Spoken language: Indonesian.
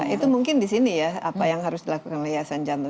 itu mungkin di sini ya apa yang harus dilakukan oleh yayasan jantung